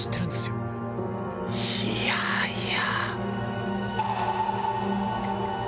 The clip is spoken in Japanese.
いやいや。